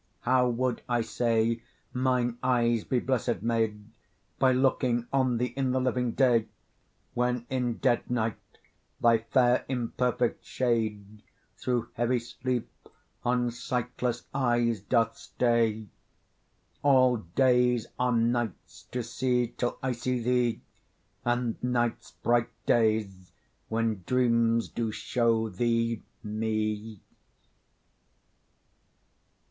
How would, I say, mine eyes be blessed made By looking on thee in the living day, When in dead night thy fair imperfect shade Through heavy sleep on sightless eyes doth stay! All days are nights to see till I see thee, And nights bright days when dreams do show thee me.